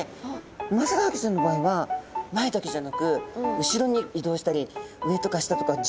ウマヅラハギちゃんの場合は前だけじゃなく後ろに移動したり上とか下とか自在な泳ぎができるんですね。